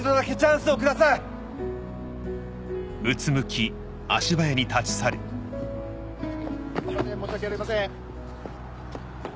すいません申し訳ありません。